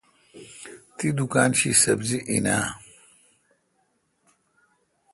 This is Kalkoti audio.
تی دکان شی سبری این اں۔